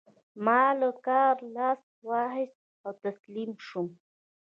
ما له کاره لاس واخيست او تسليم شوم.